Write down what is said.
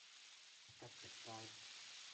吉席街